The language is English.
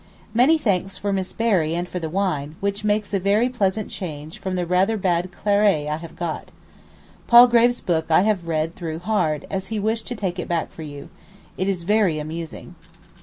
Many thanks for Miss Berry and for the wine, which makes a very pleasant change from the rather bad claret I have got. Palgrave's book I have read through hard, as he wished to take it back for you. It is very amusing.